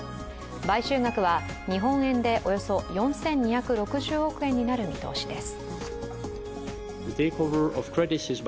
買収額は日本円でおよそ４２６０億円になる見通しです。